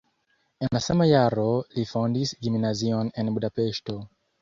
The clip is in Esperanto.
En la sama jaro li fondis gimnazion en Budapeŝto.